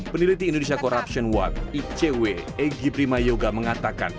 peneliti indonesia corruption watch icw egy prima yoga mengatakan